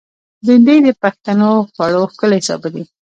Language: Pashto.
بېنډۍ د پښتنو خوړو ښکلی سابه دی